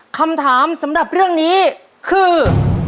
คำถามสำหรับเรื่องนี้คือ